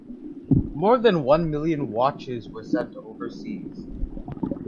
More than one million watches were sent overseas.